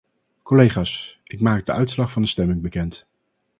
Collega's, ik maak de uitslag van de stemming bekend.